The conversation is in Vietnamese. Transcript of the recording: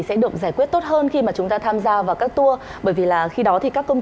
sẽ được giải quyết tốt hơn khi mà chúng ta tham gia vào các tour bởi vì là khi đó thì các công